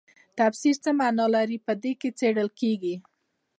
تفسیر څه مانا لري په دې کې څیړل کیږي.